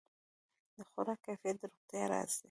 د خوراک کیفیت د روغتیا راز دی.